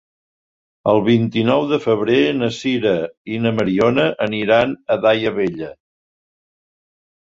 El vint-i-nou de febrer na Sira i na Mariona aniran a Daia Vella.